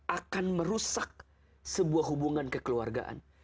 akan merusak sebuah hubungan kekeluargaan